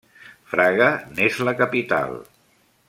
Fraga n'és la capital.